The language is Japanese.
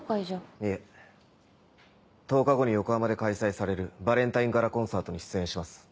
いえ１０日後に横浜で開催されるバレンタイン・ガラ・コンサートに出演します。